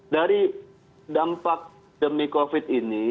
dari dampak demi covid ini